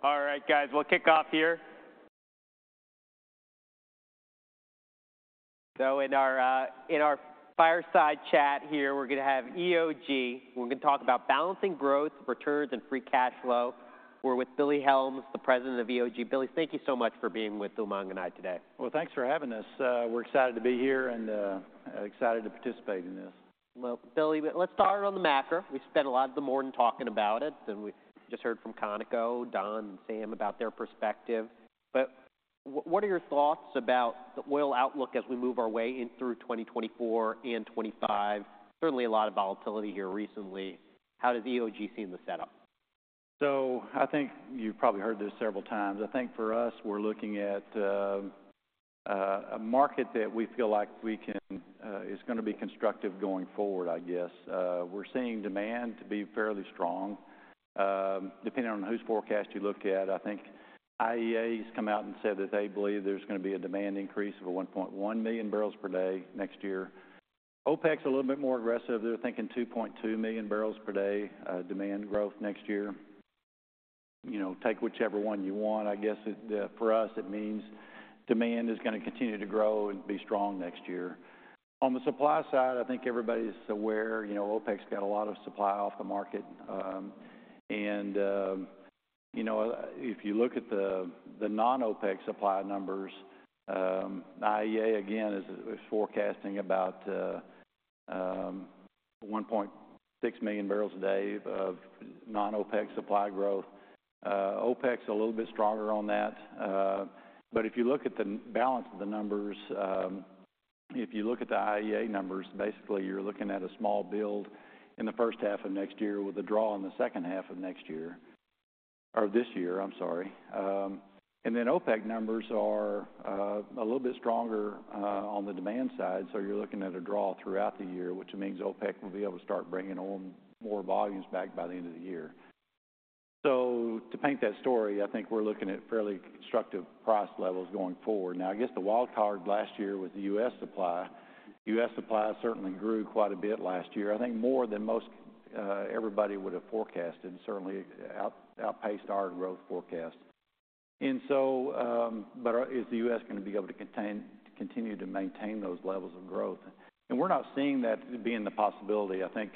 All right, guys, we'll kick off here. So in our, in our fireside chat here, we're going to have EOG. We're going to talk about balancing growth, returns, and free cash flow. We're with Billy Helms, the President of EOG. Billy, thank you so much for being with Umang and I today. Well, thanks for having us. We're excited to be here and, excited to participate in this. Well, Billy, let's start on the macro. We've spent a lot of the morning talking about it, and we just heard from Conoco, Dom and Sam, about their perspective. But what are your thoughts about the oil outlook as we move our way in through 2024 and 2025? Certainly, a lot of volatility here recently. How does EOG see in the setup? So I think you've probably heard this several times. I think for us, we're looking at a market that we feel like is going to be constructive going forward, I guess. We're seeing demand to be fairly strong, depending on whose forecast you look at. I think IEA has come out and said that they believe there's going to be a demand increase of 1.1 million barrels per day next year. OPEC's a little bit more aggressive. They're thinking 2.2 million barrels per day demand growth next year. You know, take whichever one you want. I guess for us, it means demand is going to continue to grow and be strong next year. On the supply side, I think everybody's aware, you know, OPEC's got a lot of supply off the market. And, you know, if you look at the non-OPEC supply numbers, IEA, again, is forecasting about 1.6 million barrels a day of non-OPEC supply growth. OPEC's a little bit stronger on that, but if you look at the balance of the numbers, if you look at the IEA numbers, basically, you're looking at a small build in the first half of next year with a draw in the second half of next year, or this year, I'm sorry. Then OPEC numbers are a little bit stronger on the demand side. So you're looking at a draw throughout the year, which means OPEC will be able to start bringing on more volumes back by the end of the year. So to paint that story, I think we're looking at fairly constructive price levels going forward. Now, I guess the wild card last year was the U.S. supply. U.S. supply certainly grew quite a bit last year, I think more than most, everybody would have forecasted, certainly outpaced our growth forecast. And so, but is the U.S. going to be able to contain—continue to maintain those levels of growth? And we're not seeing that being the possibility. I think,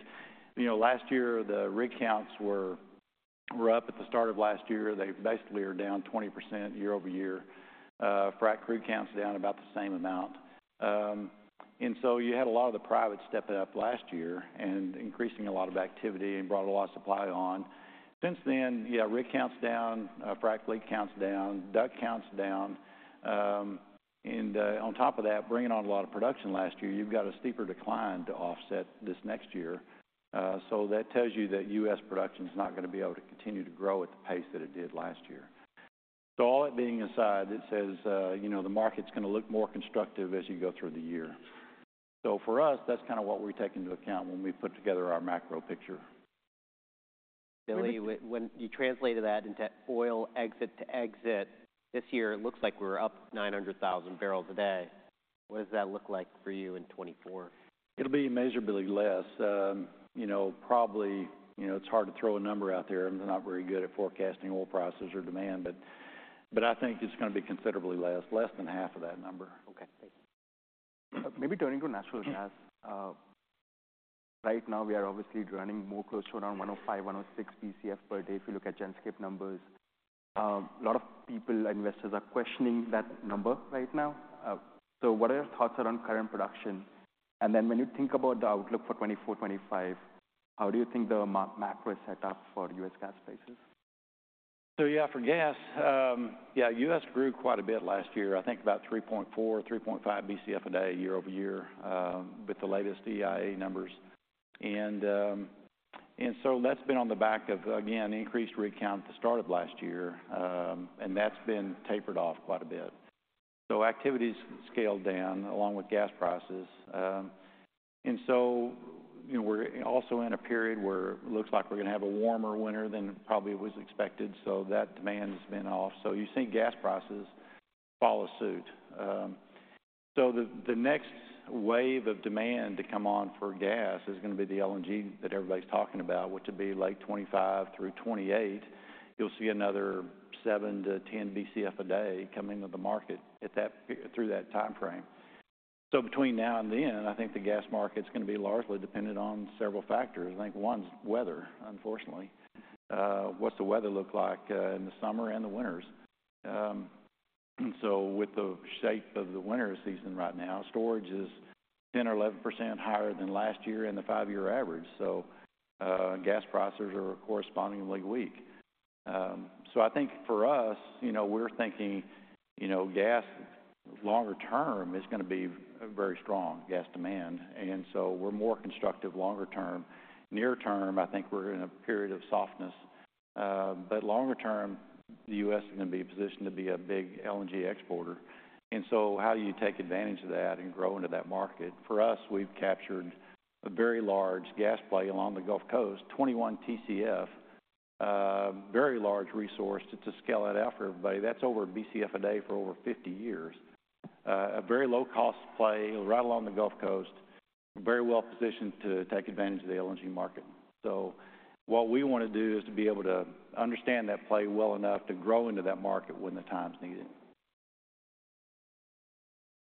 you know, last year, the rig counts were, were up at the start of last year. They basically are down 20% year-over-year. Frack crew counts down about the same amount. And so you had a lot of the private stepping up last year and increasing a lot of activity and brought a lot of supply on. Since then, yeah, rig count's down, frack fleet count's down, DUC count's down, and on top of that, bringing on a lot of production last year, you've got a steeper decline to offset this next year. So that tells you that U.S. production is not going to be able to continue to grow at the pace that it did last year. So all that being aside, it says, you know, the market's going to look more constructive as you go through the year. So for us, that's kind of what we take into account when we put together our macro picture. Billy, when you translated that into oil exit to exit this year, it looks like we're up 900,000 barrels a day. What does that look like for you in 2024? It'll be measurably less. You know, probably, you know, it's hard to throw a number out there. I'm not very good at forecasting oil prices or demand, but, but I think it's going to be considerably less, less than half of that number. Okay, thank you. Maybe turning to natural gas. Right now, we are obviously running more closer to around 105, 106 Bcf per day, if you look at Genscape numbers. A lot of people, investors are questioning that number right now. So what are your thoughts on current production? And then when you think about the outlook for 2024, 2025, how do you think the macro is set up for U.S. gas prices? So yeah, for gas, yeah, U.S. grew quite a bit last year, I think about 3.4-3.5 Bcf a day, year-over-year, with the latest EIA numbers. And, and so that's been on the back of, again, increased rig count at the start of last year, and that's been tapered off quite a bit. So activity's scaled down along with gas prices. So we're also in a period where it looks like we're going to have a warmer winter than probably was expected, so that demand has been off. So you've seen gas prices follow suit. So the, the next wave of demand to come on for gas is going to be the LNG that everybody's talking about, which would be late 2025 through 2028. You'll see another 7-10 Bcf a day coming to the market at that through that time frame. So between now and then, I think the gas market is going to be largely dependent on several factors. I think one's weather, unfortunately. What's the weather look like in the summer and the winters? So with the shape of the winter season right now, storage is 10%-11% higher than last year and the five-year average. So, gas prices are correspondingly weak. So I think for us, you know, we're thinking, you know, gas, longer term, is going to be very strong, gas demand, and so we're more constructive longer term. Near term, I think we're in a period of softness, but longer term, the US is going to be positioned to be a big LNG exporter. How do you take advantage of that and grow into that market? For us, we've captured a very large gas play along the Gulf Coast, 21 Tcf, very large resource to scale that out for everybody. That's over BCF a day for over 50 years. A very low-cost play right along the Gulf Coast, very well positioned to take advantage of the LNG market. What we want to do is to be able to understand that play well enough to grow into that market when the time's needed.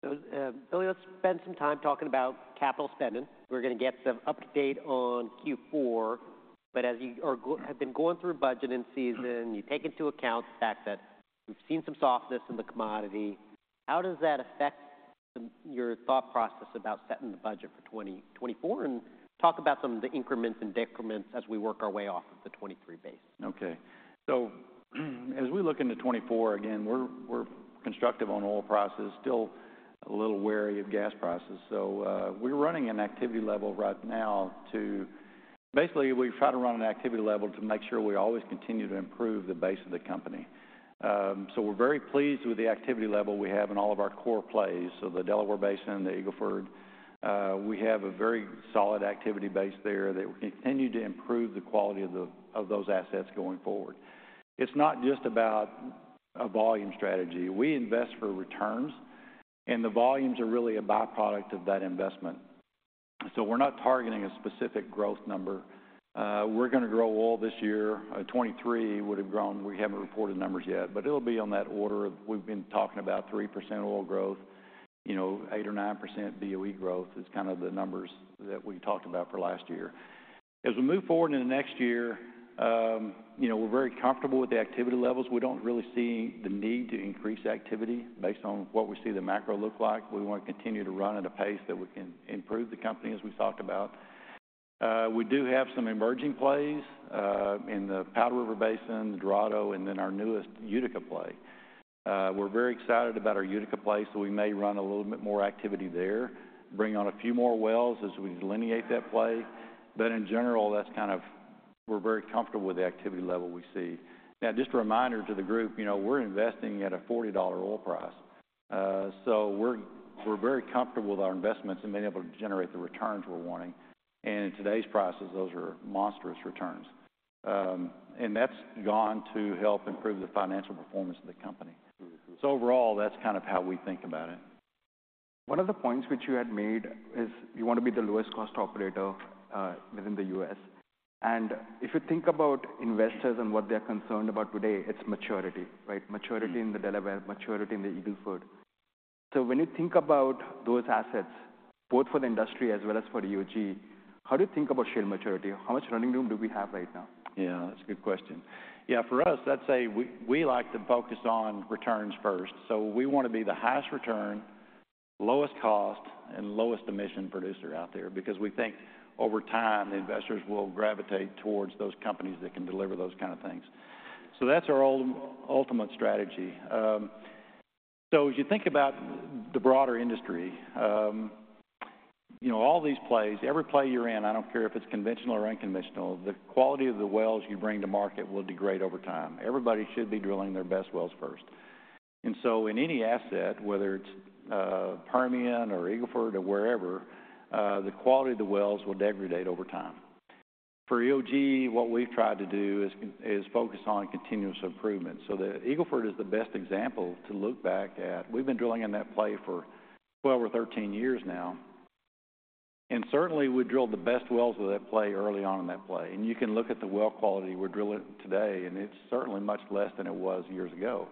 So, Billy, let's spend some time talking about capital spending. We're going to get some update on Q4, but as you have been going through budgeting season, you take into account the fact that we've seen some softness in the commodity. How does that affect your thought process about setting the budget for 2024? And talk about some of the increments and decrements as we work our way off of the 2023 base. Okay. So as we look into 2024, again, we're constructive on oil prices, still a little wary of gas prices. So, we're running an activity level right now to... Basically, we try to run an activity level to make sure we always continue to improve the base of the company. So we're very pleased with the activity level we have in all of our core plays. So the Delaware Basin, the Eagle Ford, we have a very solid activity base there that will continue to improve the quality of those assets going forward. It's not just about a volume strategy. We invest for returns, and the volumes are really a byproduct of that investment. So we're not targeting a specific growth number. We're going to grow oil this year. 2023 would have grown. We haven't reported numbers yet, but it'll be on that order of we've been talking about 3% oil growth, you know, 8%-9% BOE growth is kind of the numbers that we talked about for last year. As we move forward into next year, you know, we're very comfortable with the activity levels. We don't really see the need to increase activity based on what we see the macro look like. We want to continue to run at a pace that we can improve the company, as we've talked about. We do have some emerging plays in the Powder River Basin, Dorado, and then our newest, Utica play. We're very excited about our Utica play, so we may run a little bit more activity there, bring on a few more wells as we delineate that play. But in general, that's kind of, we're very comfortable with the activity level we see. Now, just a reminder to the group, you know, we're investing at a $40 oil price, so we're, we're very comfortable with our investments and being able to generate the returns we're wanting. And in today's prices, those are monstrous returns. And that's gone to help improve the financial performance of the company. So overall, that's kind of how we think about it. One of the points which you had made is you want to be the lowest cost operator within the U.S. If you think about investors and what they're concerned about today, it's maturity, right? Maturity in the Delaware, maturity in the Eagle Ford. When you think about those assets, both for the industry as well as for EOG, how do you think about shale maturity? How much running room do we have right now? Yeah, that's a good question. Yeah, for us, I'd say we like to focus on returns first. So we want to be the highest return, lowest cost, and lowest emission producer out there because we think over time, the investors will gravitate towards those companies that can deliver those kind of things. So that's our ultimate strategy. So as you think about the broader industry, you know, all these plays, every play you're in, I don't care if it's conventional or unconventional, the quality of the wells you bring to market will degrade over time. Everybody should be drilling their best wells first. And so in any asset, whether it's Permian or Eagle Ford or wherever, the quality of the wells will degrade over time. For EOG, what we've tried to do is focus on continuous improvement. So the Eagle Ford is the best example to look back at. We've been drilling in that play for 12 or 13 years now, and certainly we drilled the best wells of that play early on in that play. And you can look at the well quality we're drilling today, and it's certainly much less than it was years ago.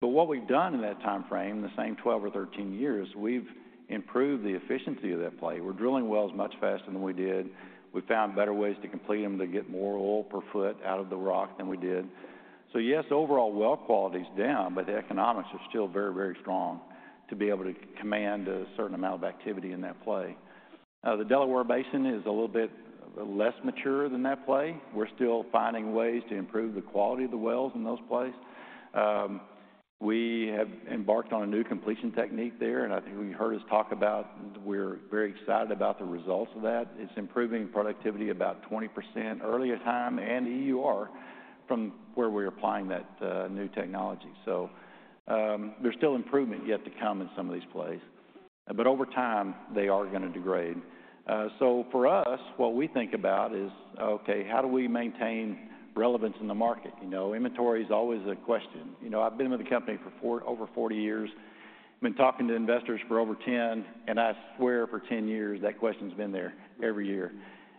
But what we've done in that time frame, the same 12 or 13 years, we've improved the efficiency of that play. We're drilling wells much faster than we did. We found better ways to complete them, to get more oil per foot out of the rock than we did. So yes, overall well quality is down, but the economics are still very, very strong to be able to command a certain amount of activity in that play. The Delaware Basin is a little bit less mature than that play. We're still finding ways to improve the quality of the wells in those plays. We have embarked on a new completion technique there, and I think you heard us talk about, we're very excited about the results of that. It's improving productivity about 20% earlier time, and EUR from where we're applying that, new technology. So, there's still improvement yet to come in some of these plays, but over time, they are gonna degrade. So for us, what we think about is, okay, how do we maintain relevance in the market? You know, inventory is always a question. You know, I've been with the company for four... over 40 years. I've been talking to investors for over 10, and I swear for 10 years, that question's been there every year.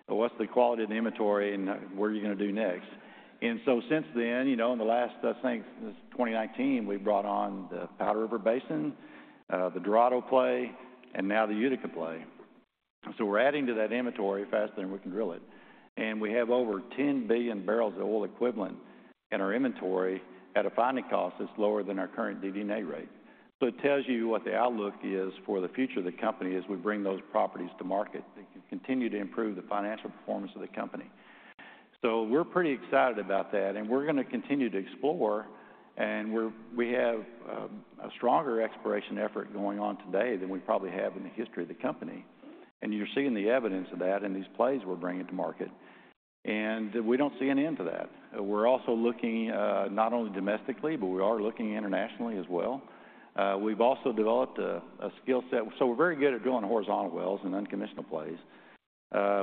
So what's the quality of the inventory and what are you gonna do next?" And so since then, you know, in the last, I think, since 2019, we've brought on the Powder River Basin, the Dorado play, and now the Utica play. So we're adding to that inventory faster than we can drill it. And we have over 10 billion barrels of oil equivalent in our inventory at a finding cost that's lower than our current DD&A rate. So it tells you what the outlook is for the future of the company as we bring those properties to market, they can continue to improve the financial performance of the company. So we're pretty excited about that, and we're gonna continue to explore, and we have a stronger exploration effort going on today than we probably have in the history of the company. And you're seeing the evidence of that in these plays we're bringing to market, and we don't see an end to that. We're also looking, not only domestically, but we are looking internationally as well. We've also developed a skill set. So we're very good at drilling horizontal wells in unconventional plays.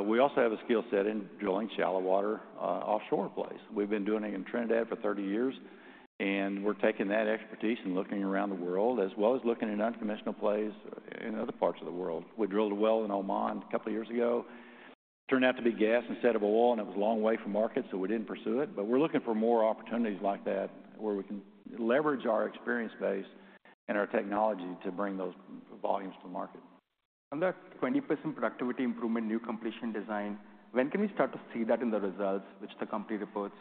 We also have a skill set in drilling shallow water, offshore plays. We've been doing it in Trinidad for 30 years, and we're taking that expertise and looking around the world, as well as looking in unconventional plays in other parts of the world. We drilled a well in Oman a couple of years ago. Turned out to be gas instead of oil, and it was a long way from market, so we didn't pursue it. But we're looking for more opportunities like that, where we can leverage our experience base and our technology to bring those volumes to market. That 20% productivity improvement, new completion design, when can we start to see that in the results, which the company reports?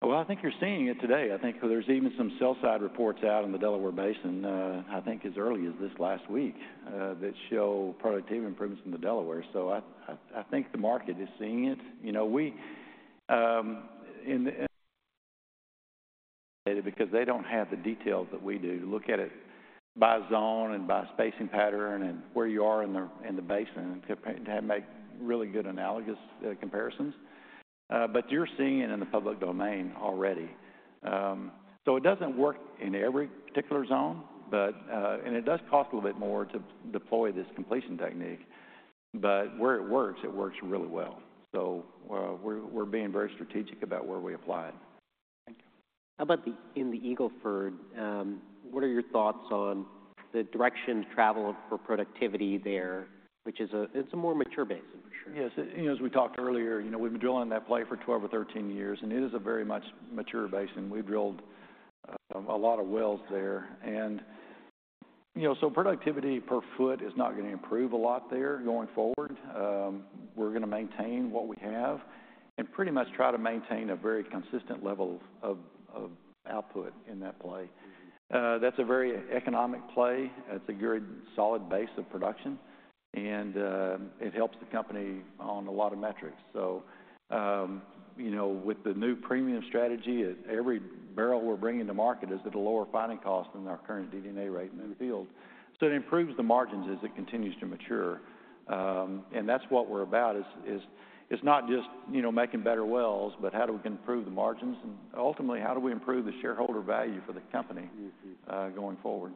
Well, I think you're seeing it today. I think there's even some sell side reports out in the Delaware Basin, I think as early as this last week, that show productivity improvements in the Delaware. So I think the market is seeing it. You know, because they don't have the details that we do, look at it by zone and by spacing pattern and where you are in the basin to make really good analogous comparisons. But you're seeing it in the public domain already. So it doesn't work in every particular zone, but... It does cost a little bit more to deploy this completion technique. But where it works, it works really well. So we're being very strategic about where we apply it. Thank you. How about in the Eagle Ford? What are your thoughts on the direction to travel for productivity there, which is, it's a more mature basin, for sure. Yes. You know, as we talked earlier, you know, we've been drilling that play for 12 or 13 years, and it is a very much mature basin. We've drilled a lot of wells there. And, you know, so productivity per foot is not going to improve a lot there going forward. We're gonna maintain what we have and pretty much try to maintain a very consistent level of output in that play. That's a very economic play, it's a good, solid base of production, and it helps the company on a lot of metrics. So, you know, with the new Premium strategy, every barrel we're bringing to market is at a lower finding cost than our current DD&A rate in the field. So it improves the margins as it continues to mature. And that's what we're about, is it's not just, you know, making better wells, but how do we improve the margins, and ultimately, how do we improve the shareholder value for the company- Mm-hmm. Going forward?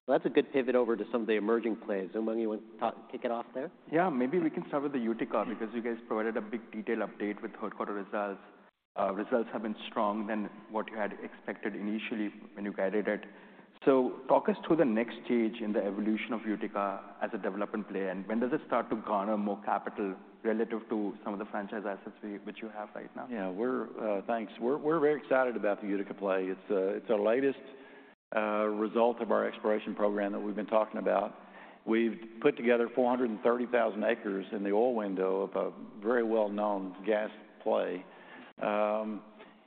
Yep. Well, that's a good pivot over to some of the emerging plays. Umang, you want to talk, kick it off there? Yeah, maybe we can start with the Utica, because you guys provided a big detail update with third quarter results. Results have been stronger than what you had expected initially when you guided it. So talk us through the next stage in the evolution of Utica as a development play, and when does it start to garner more capital relative to some of the franchise assets which you have right now? Yeah, we're... Thanks. We're very excited about the Utica play. It's our latest result of our exploration program that we've been talking about. We've put together 430,000 acres in the oil window of a very well-known gas play.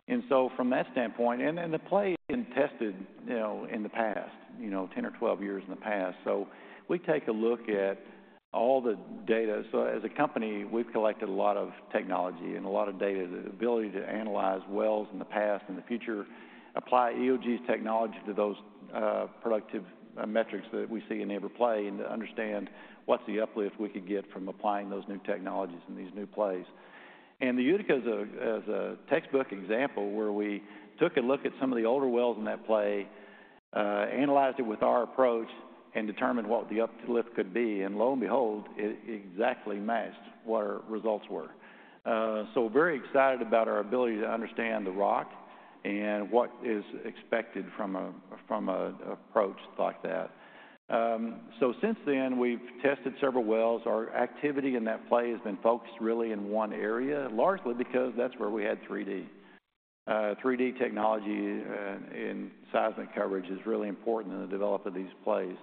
And so from that standpoint, and then the play been tested, you know, in the past, you know, 10 or 12 years in the past. So we take a look at all the data. So as a company, we've collected a lot of technology and a lot of data. The ability to analyze wells in the past and the future, apply EOG's technology to those, productive metrics that we see in every play, and to understand what's the uplift we could get from applying those new technologies in these new plays. The Utica is a textbook example where we took a look at some of the older wells in that play, analyzed it with our approach, and determined what the uplift could be. Lo and behold, it exactly matched what our results were. We're very excited about our ability to understand the rock and what is expected from an approach like that. So since then, we've tested several wells. Our activity in that play has been focused really in one area, largely because that's where we had 3D. 3D technology in seismic coverage is really important in the development of these plays.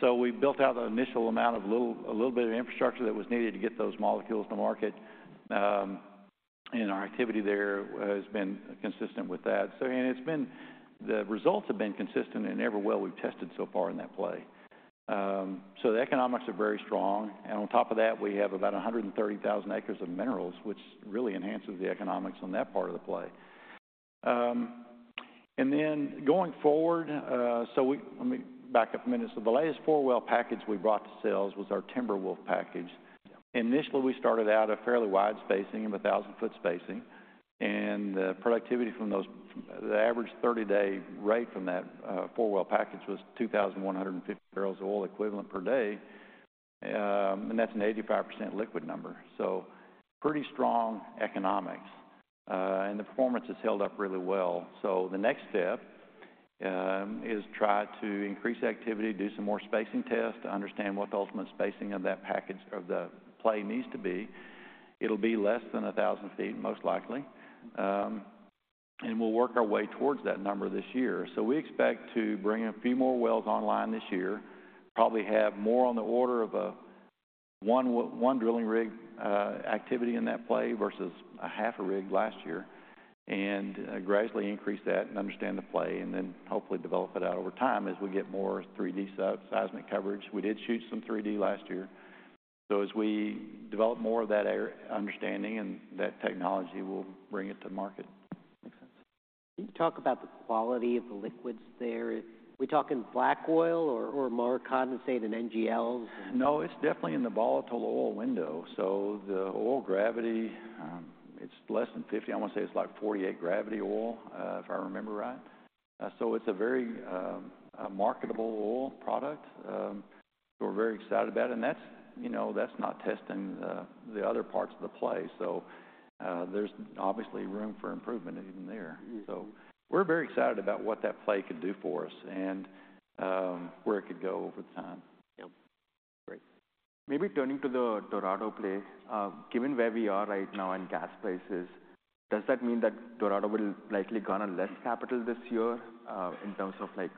So we built out a little bit of infrastructure that was needed to get those molecules to market. And our activity there has been consistent with that. So, and it's been. The results have been consistent in every well we've tested so far in that play. So the economics are very strong, and on top of that, we have about 130,000 acres of minerals, which really enhances the economics on that part of the play. And then going forward, so let me back up a minute. So the latest four-well package we brought to sales was our Timberwolf package. Initially, we started out a fairly wide spacing, of a 1,000-foot spacing, and the productivity from those, the average 30-day rate from that four-well package was 2,150 barrels of oil equivalent per day. And that's an 85% liquid number, so pretty strong economics. And the performance has held up really well. So the next step is try to increase activity, do some more spacing tests to understand what the ultimate spacing of that package of the play needs to be. It'll be less than 1,000 feet, most likely. And we'll work our way towards that number this year. So we expect to bring a few more wells online this year. Probably have more on the order of one drilling rig activity in that play versus a half a rig last year, and gradually increase that and understand the play, and then hopefully develop it out over time as we get more 3D seismic coverage. We did shoot some 3D last year. So as we develop more of that area, understanding and that technology, we'll bring it to market. Makes sense. Can you talk about the quality of the liquids there? We talking black oil or, or more condensate and NGLs? No, it's definitely in the volatile oil window. So the oil gravity—it's less than 50. I want to say it's like 48 gravity oil, if I remember right. So it's a very marketable oil product. So we're very excited about it, and that's, you know, that's not testing the other parts of the play. So there's obviously room for improvement even there. So we're very excited about what that play could do for us and where it could go over time. Yep. Great. Maybe turning to the Dorado play. Given where we are right now in gas prices, does that mean that Dorado will likely garner less capital this year, in terms of like-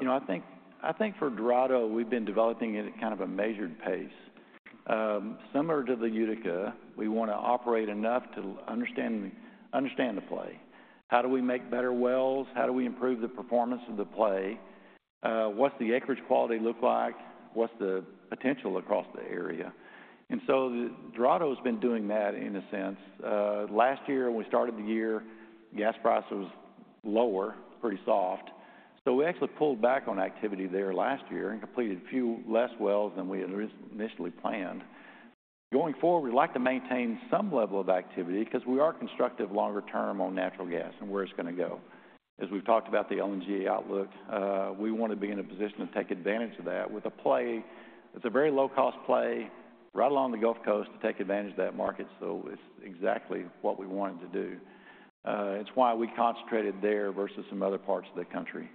You know, I think, I think for Dorado, we've been developing it at kind of a measured pace. Similar to the Utica, we want to operate enough to understand the play. How do we make better wells? How do we improve the performance of the play? What's the acreage quality look like? What's the potential across the area? And so the Dorado has been doing that in a sense. Last year, when we started the year, gas prices was lower, pretty soft. So we actually pulled back on activity there last year and completed a few less wells than we had initially planned. Going forward, we'd like to maintain some level of activity because we are constructive longer term on natural gas and where it's gonna go. As we've talked about the LNG outlook, we want to be in a position to take advantage of that with a play. It's a very low-cost play right along the Gulf Coast to take advantage of that market, so it's exactly what we wanted to do. It's why we concentrated there versus some other parts of the country.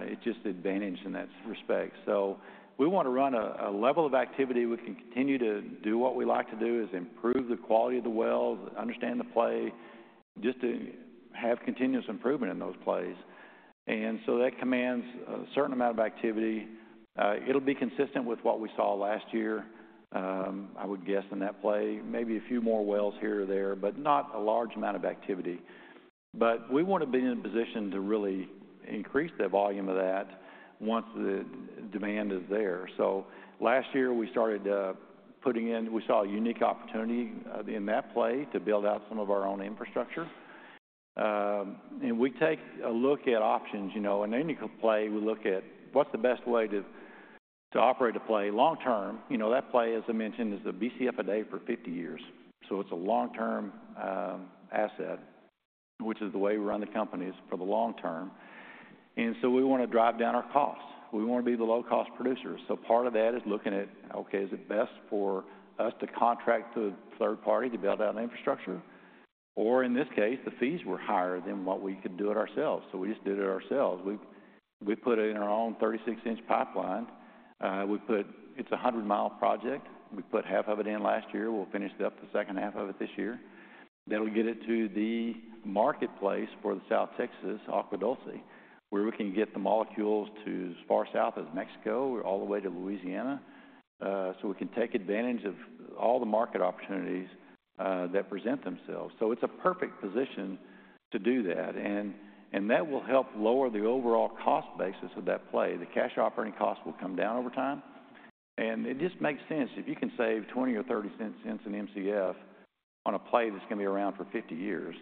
It's just advantage in that respect. So we want to run a level of activity we can continue to do what we like to do, is improve the quality of the wells, understand the play, just to have continuous improvement in those plays. And so that commands a certain amount of activity. It'll be consistent with what we saw last year, I would guess in that play. Maybe a few more wells here or there, but not a large amount of activity. But we want to be in a position to really increase the volume of that once the demand is there. So last year we started putting in... We saw a unique opportunity in that play to build out some of our own infrastructure. And we take a look at options, you know, in any play, we look at what's the best way to operate a play long term. You know, that play, as I mentioned, is the Bcf a day for 50 years. So it's a long-term asset, which is the way we run the company, is for the long term. And so we want to drive down our costs. We want to be the low-cost producer. So part of that is looking at, okay, is it best for us to contract to a third party to build out an infrastructure? Or in this case, the fees were higher than what we could do it ourselves, so we just did it ourselves. We put in our own 36-inch pipeline. It's a 100-mile project. We put half of it in last year. We'll finish up the second half of it this year. That'll get it to the marketplace for the South Texas, Agua Dulce, where we can get the molecules to as far south as Mexico, or all the way to Louisiana, so we can take advantage of all the market opportunities that present themselves. So it's a perfect position to do that, and that will help lower the overall cost basis of that play. The cash operating costs will come down over time, and it just makes sense. If you can save $0.20 or $0.30 an MCF on a play that's gonna be around for 50 years,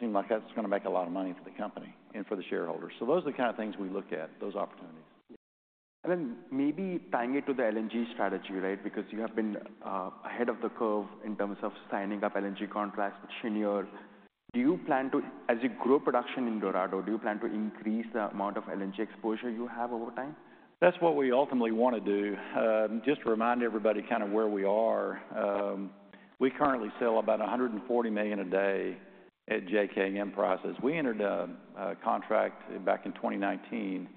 seem like that's gonna make a lot of money for the company and for the shareholders. So those are the kind of things we look at, those opportunities. And then maybe tying it to the LNG strategy, right? Because you have been ahead of the curve in terms of signing up LNG contracts with Cheniere. Do you plan to? As you grow production in Dorado, do you plan to increase the amount of LNG exposure you have over time? That's what we ultimately want to do. Just to remind everybody kind of where we are, we currently sell about 140 million a day at JKM prices. We entered a contract back in 2019,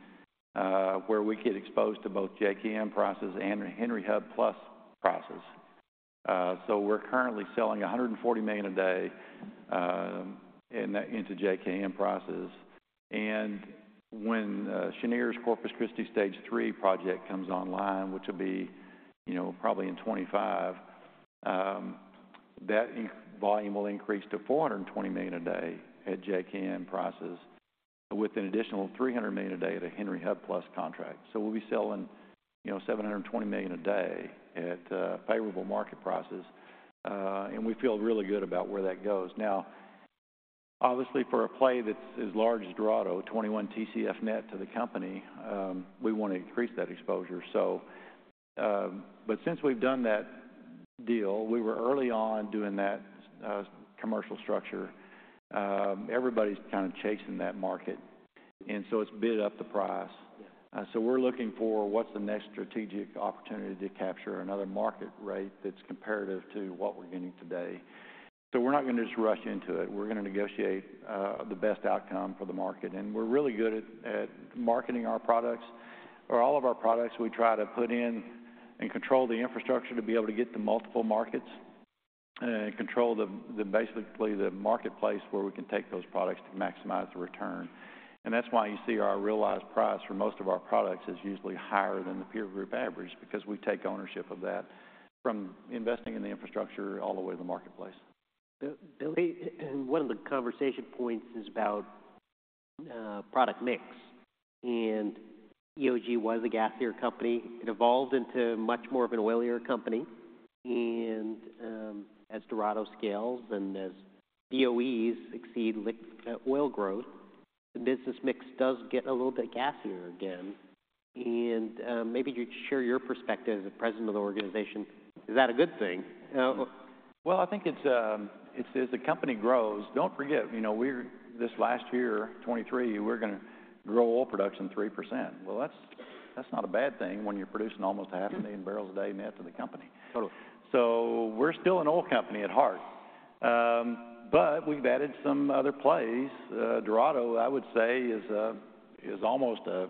where we get exposed to both JKM prices and Henry Hub Plus prices. So we're currently selling 140 million a day into JKM prices. And when Cheniere's Corpus Christi Stage Three project comes online, which will be, you know, probably in 2025, that volume will increase to 420 million a day at JKM prices, with an additional 300 million a day at a Henry Hub Plus contract. So we'll be selling, you know, 720 million a day at favorable market prices, and we feel really good about where that goes. Now, obviously, for a play that's as large as Dorado, 21 TCF net to the company, we want to increase that exposure, so... But since we've done that deal, we were early on doing that, commercial structure. Everybody's kind of chasing that market, and so it's bid up the price. Yeah. So we're looking for what's the next strategic opportunity to capture another market rate that's comparative to what we're getting today. So we're not gonna just rush into it. We're gonna negotiate the best outcome for the market, and we're really good at marketing our products, or all of our products, we try to put in and control the infrastructure to be able to get to multiple markets, control the basically the marketplace where we can take those products to maximize the return. And that's why you see our realized price for most of our products is usually higher than the peer group average, because we take ownership of that, from investing in the infrastructure all the way to the marketplace. Billy, and one of the conversation points is about product mix, and EOG was a gas-focused company. It evolved into much more of an oil company, and as Dorado scales and as DUCs exceed oil growth, the business mix does get a little bit gassier again, and maybe you'd share your perspective as the president of the organization. Is that a good thing? Well, I think it's as the company grows, don't forget, you know, we're this last year, 2023, we're gonna grow oil production 3%. Well, that's not a bad thing when you're producing almost 500,000 barrels a day net to the company. Totally. So we're still an oil company at heart, but we've added some other plays. Dorado, I would say, is almost a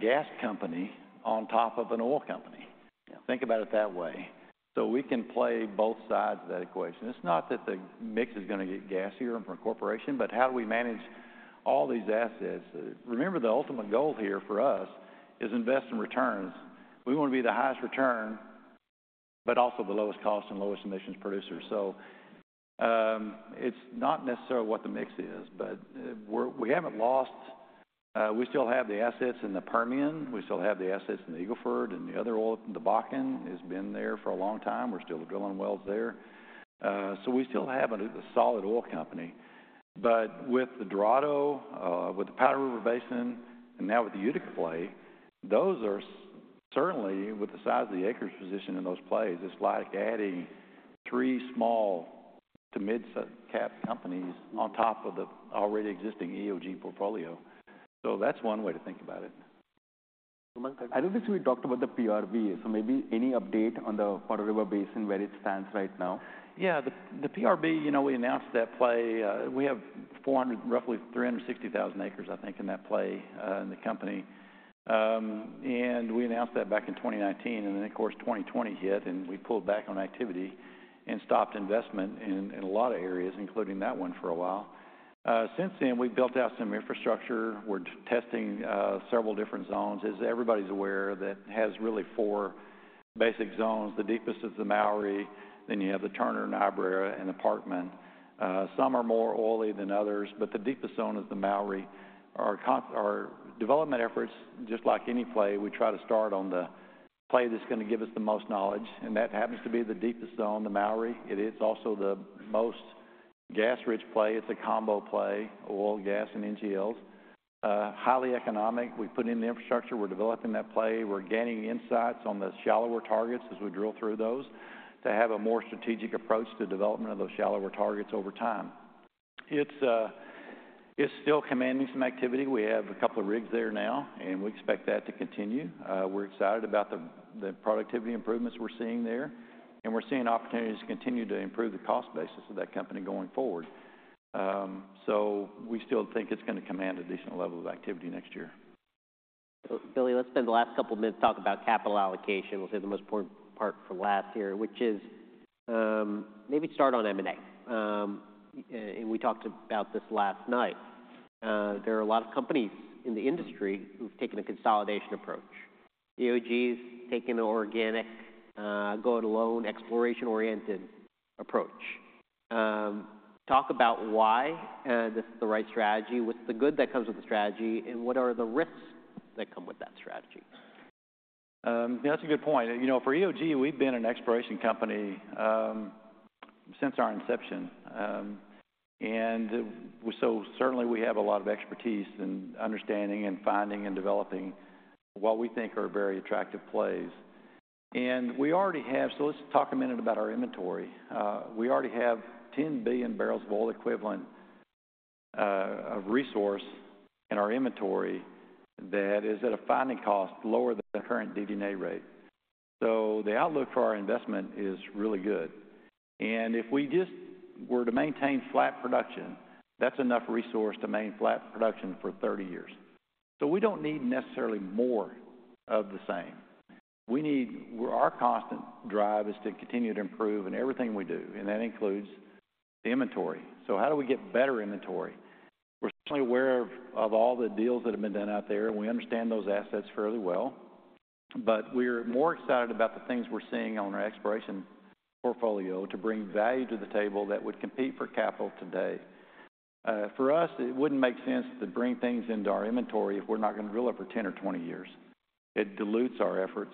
gas company on top of an oil company. Yeah. Think about it that way. So we can play both sides of that equation. It's not that the mix is gonna get gassier for a corporation, but how do we manage all these assets? Remember, the ultimate goal here, for us, is invest in returns. We want to be the highest return, but also the lowest cost and lowest emissions producer. So, it's not necessarily what the mix is, but, we still have the assets in the Permian, we still have the assets in the Eagle Ford, and the other oil, the Bakken, has been there for a long time. We're still drilling wells there. So we still have a, the solid oil company. But with the Dorado, with the Powder River Basin, and now with the Utica play, those are certainly, with the size of the acres position in those plays, it's like adding three small to mid-sized cap companies on top of the already existing EOG portfolio. So that's one way to think about it. I think we talked about the PRB, so maybe any update on the Powder River Basin, where it stands right now? Yeah. The PRB, you know, we announced that play. We have 400, roughly 360,000 acres, I think, in that play, in the company. And we announced that back in 2019, and then, of course, 2020 hit, and we pulled back on activity and stopped investment in, in a lot of areas, including that one, for a while. Since then, we've built out some infrastructure. We're testing several different zones. As everybody's aware, that has really four basic zones. The deepest is the Mowry, then you have the Turner and Niobrara and the Parkman. Some are more oily than others, but the deepest zone is the Mowry. Our development efforts, just like any play, we try to start on the play that's gonna give us the most knowledge, and that happens to be the deepest zone, the Mowry. It is also the most gas-rich play. It's a combo play, oil, gas, and NGLs. Highly economic. We've put in the infrastructure, we're developing that play. We're gaining insights on the shallower targets as we drill through those, to have a more strategic approach to development of those shallower targets over time. It's, it's still commanding some activity. We have a couple of rigs there now, and we expect that to continue. We're excited about the, the productivity improvements we're seeing there, and we're seeing opportunities to continue to improve the cost basis of that company going forward. So we still think it's gonna command a decent level of activity next year. So, Billy, let's spend the last couple minutes talking about capital allocation. We'll save the most important part for last here, which is, maybe start on M&A. And we talked about this last night. There are a lot of companies in the industry who've taken a consolidation approach. EOG's taken an organic, go-it-alone, exploration-oriented approach. Talk about why this is the right strategy, what's the good that comes with the strategy, and what are the risks that come with that strategy? That's a good point. You know, for EOG, we've been an exploration company since our inception. And so certainly we have a lot of expertise in understanding and finding and developing what we think are very attractive plays. So let's talk a minute about our inventory. We already have 10 billion barrels of oil equivalent of resource in our inventory that is at a finding cost lower than the current DD&A rate. So the outlook for our investment is really good, and if we just were to maintain flat production, that's enough resource to maintain flat production for 30 years. So we don't need necessarily more of the same. We need... Our constant drive is to continue to improve in everything we do, and that includes the inventory. So how do we get better inventory? We're certainly aware of all the deals that have been done out there, and we understand those assets fairly well, but we're more excited about the things we're seeing on our exploration portfolio to bring value to the table that would compete for capital today. For us, it wouldn't make sense to bring things into our inventory if we're not going to drill it for 10 or 20 years. It dilutes our efforts.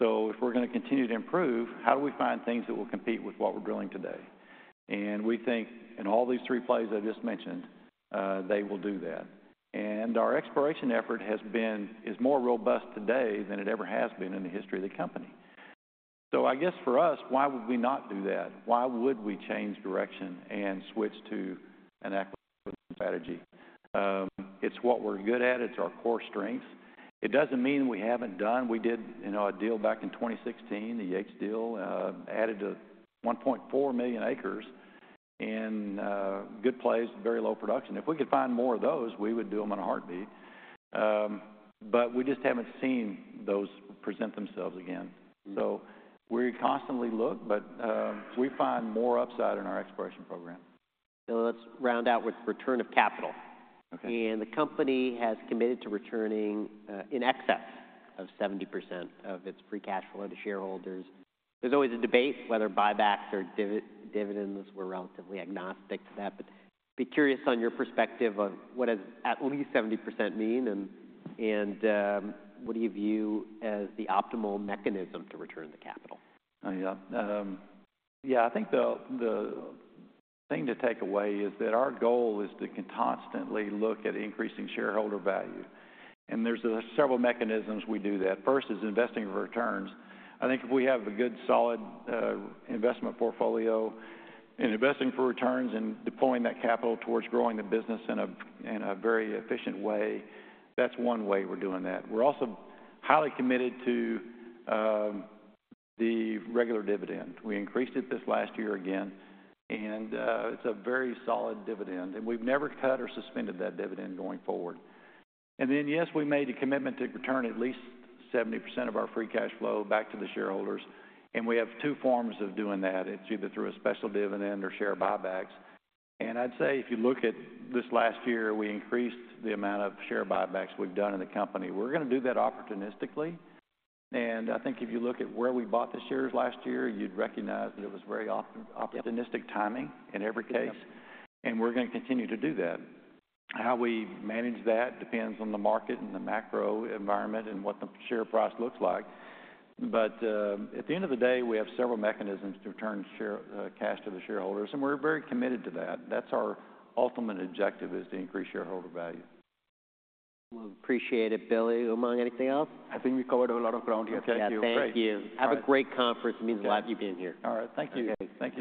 So if we're gonna continue to improve, how do we find things that will compete with what we're drilling today? And we think in all these 3 plays I just mentioned, they will do that. And our exploration effort is more robust today than it ever has been in the history of the company. So I guess for us, why would we not do that? Why would we change direction and switch to an acquisition strategy? It's what we're good at. It's our core strengths. It doesn't mean we haven't done... We did, you know, a deal back in 2016. The Yates deal added to 1.4 million acres in good plays, very low production. If we could find more of those, we would do them in a heartbeat, but we just haven't seen those present themselves again. So we constantly look, but we find more upside in our exploration program. Let's round out with return of capital. Okay. The company has committed to returning in excess of 70% of its free cash flow to shareholders. There's always a debate whether buybacks or dividends were relatively agnostic to that, but be curious on your perspective on what does at least 70% mean, and, and, what do you view as the optimal mechanism to return the capital? Yeah. Yeah, I think the thing to take away is that our goal is to constantly look at increasing shareholder value, and there's several mechanisms we do that. First is investing returns. I think if we have a good, solid investment portfolio and investing for returns and deploying that capital towards growing the business in a very efficient way, that's one way we're doing that. We're also highly committed to the regular dividend. We increased it this last year again, and it's a very solid dividend, and we've never cut or suspended that dividend going forward. And then, yes, we made a commitment to return at least 70% of our free cash flow back to the shareholders, and we have two forms of doing that. It's either through a special dividend or share buybacks. I'd say if you look at this last year, we increased the amount of share buybacks we've done in the company. We're gonna do that opportunistically, and I think if you look at where we bought the shares last year, you'd recognize that it was very opportunistic timing in every case- Yeah... and we're gonna continue to do that. How we manage that depends on the market and the macro environment and what the share price looks like. But, at the end of the day, we have several mechanisms to return share, cash to the shareholders, and we're very committed to that. That's our ultimate objective, is to increase shareholder value. Well, appreciate it, Billy. Umang, anything else? I think we covered a lot of ground here. Okay. Thank you. Thank you. Great. Have a great conference. It means a lot, you being here. All right. Thank you. Thanks.